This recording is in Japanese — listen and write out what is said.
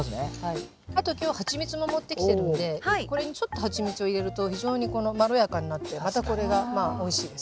あと今日蜂蜜も持ってきてるのでこれにちょっと蜂蜜を入れると非常にまろやかになってまたこれがまあおいしいです。